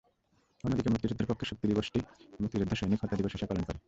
অন্যদিকে, মুক্তিযুদ্ধের পক্ষের শক্তি দিবসটি মুক্তিযোদ্ধা সৈনিক হত্যা দিবস হিসেবে পালন করে।